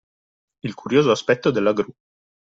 Il curioso aspetto della gru